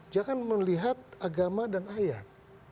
jangan melihat agama dan ayat